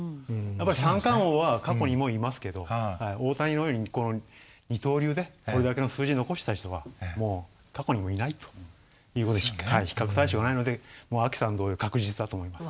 三冠王は過去にもいますけど大谷のように二刀流でこれだけの数字を残した人は過去にもいないということで比較対象がないのでＡＫＩさん同様確実だと思います。